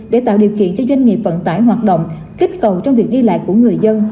để tạo điều kiện cho doanh nghiệp vận tải hoạt động kích cầu trong việc đi lại của người dân